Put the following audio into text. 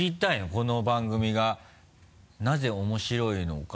この番組がなぜ面白いのか。